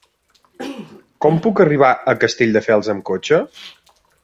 Com puc arribar a Castelldefels amb cotxe?